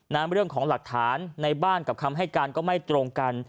เรื่องของหลักฐานในบ้านกับคำให้การก็ไม่ตรงกัน